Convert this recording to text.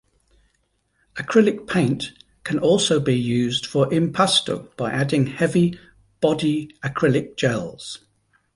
Acrylic paint can also be used for impasto by adding heavy body acrylic gels.